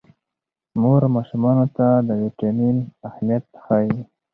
مور ماشومانو ته د ویټامین اهمیت ښيي.